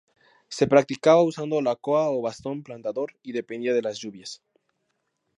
Se practicaba usando la coa o bastón plantador y dependía de las lluvias.